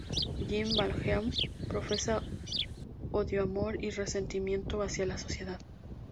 Jean Valjean profesa odio-amor y resentimiento hacia la sociedad.